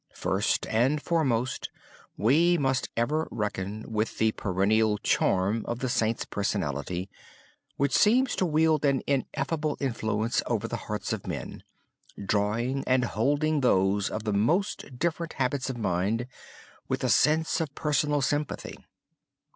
First and foremost, we must ever reckon with the perennial charm of the Saint's personality, which seems to wield an ineffable influence over the hearts of men drawing and holding those of the most different habits of mind, with a sense of personal sympathy.